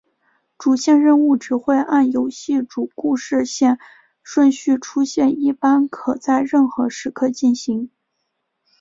主线任务只会按游戏主故事线顺序出现一般可在任何时刻进行。